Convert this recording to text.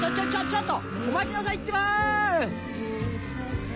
ちょっとお待ちなさいってば！